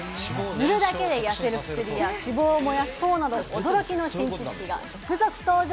塗るだけで痩せる薬や脂肪を燃やす糖など、驚きの新知識が続々登場。